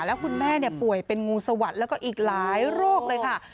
แล้วคุณแม่ป่วยเป็นงูสวัสดิ์แล้วก็อีกหลายโรคเลยค่ะ